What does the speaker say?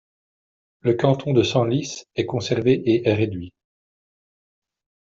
Le canton de Senlis est conservé et est réduit.